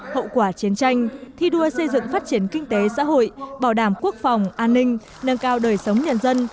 hậu quả chiến tranh thi đua xây dựng phát triển kinh tế xã hội bảo đảm quốc phòng an ninh nâng cao đời sống nhân dân